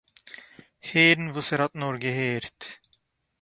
הערן וואָס ער האָט נאָר געהערט